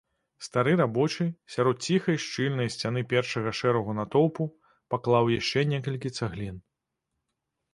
Стары рабочы, сярод ціхай і шчыльнай сцяны першага шэрага натоўпу, паклаў яшчэ некалькі цаглін.